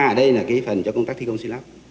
ở đây là phần cho công tác thi công xin lắp